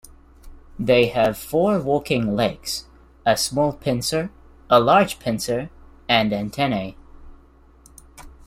They have four walking legs, a small pincer, a large pincer, and antennae.